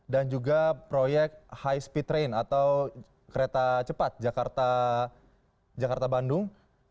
dan juga proyek high speed train atau kereta cepat jakarta bandung